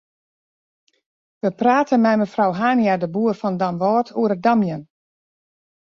We prate mei mefrou Hania-de Boer fan Damwâld oer it damjen.